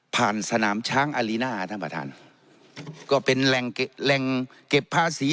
ผ่านสนามช้างอาริน่าอ่ะท่านประธานก็เป็นแรงแรงเก็บภาษี